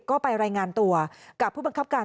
ก็ไปรายงานตัวกับผู้บังคับการ